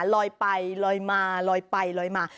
ลอยไปลอยมาลอยไปลอยมา